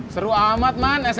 seru amat man sms nya